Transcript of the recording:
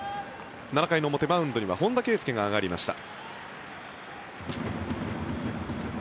７回の表、マウンドには本田圭佑が上がりました。